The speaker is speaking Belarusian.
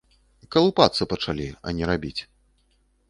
Калупацца пачалі, а не рабіць.